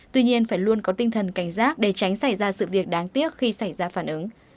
tuy nhiên phải luôn có tinh thần cảnh giác để tránh xảy ra sự việc đáng tiếc khi xảy ra phản ứng